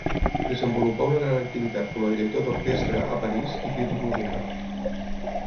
Desenvolupà una gran activitat com a director d'orquestra a París i crític musical.